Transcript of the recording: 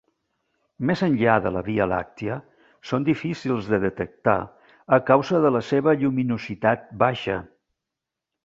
Més enllà de la Via Làctia són difícils de detectar a causa de la seva lluminositat baixa.